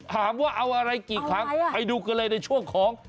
ถามว่าเอาอะไรกี่ครั้งไปดูกันเลยในช่วงของ